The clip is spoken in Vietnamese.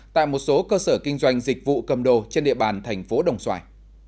tại một số cơ sở kinh doanh dịch vụ cầm đồ trên địa bàn tp đồng xoài